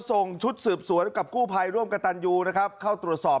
ส่งชุดสืบสวนกับกู้ภัยร่วมกับตันยูนะครับเข้าตรวจสอบ